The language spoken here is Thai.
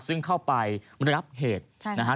ซึ่งเข้าไปมรับเหตุนะครับ